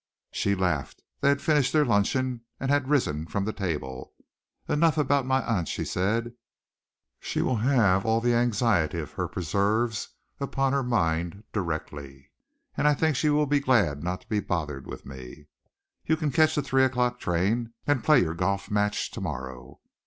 She laughed. They had finished their luncheon and had risen from the table. "Enough about my aunt," she said. "She will have all the anxiety of her preserves upon her mind directly, and I think she will be glad not to be bothered with me. You catch your three o'clock train, and play your golf match to morrow."